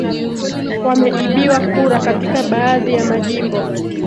wameibiwa kura katika baadhi ya majimbo